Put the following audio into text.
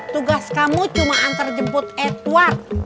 tugas kamu cuma antar jemput edward